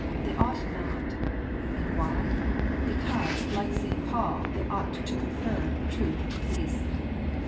They ought not. And why ? Because, like St. Paul, they ought to prefer truth to peace.